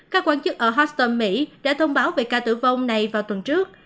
các quan chức ở houston mỹ đã thông báo về ca tử vong này vào tuần trước